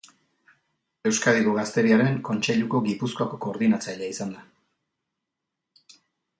Euskadiko Gazteriaren Kontseiluko Gipuzkoako koordinatzailea izan da.